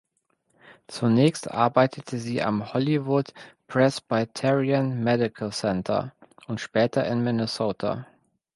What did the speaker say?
Zunächst arbeitete sie am Hollywood Presbyterian Medical Center und später in Minnesota.